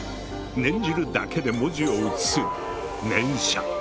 念じるだけで文字を写す「念写」。